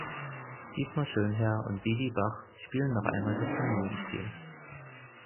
Dietmar Schönherr und Vivi Bach spielen noch einmal das Familienspiel.